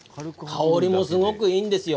香りもすごくいいんですよ。